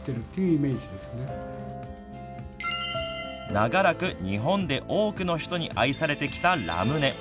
長らく日本で多くの人に愛されてきたラムネ。